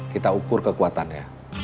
kita ukur kekuatannya